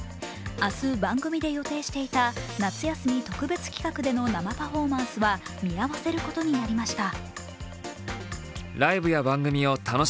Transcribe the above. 明日、番組で予定していた夏休み特別企画での生パフォーマンスは見合わせることになりました。